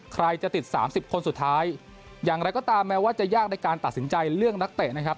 ใครจะติดสามสิบคนสุดท้ายอย่างไรก็ตามแม้ว่าจะยากในการตัดสินใจเลือกนักเตะนะครับ